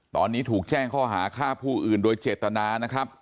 ตอนนี้ถูกแจ้งข้อหาฆ่าผู้อื่นโดยเจตนานะครับ